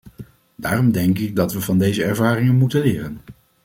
Daarom denk ik dat we van deze ervaringen moeten leren.